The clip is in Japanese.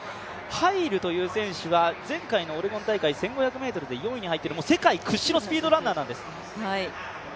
ハイルという選手は前回のオレゴン大会１５００ｍ、４位に入ってる、世界屈指のスピードランナーなんです。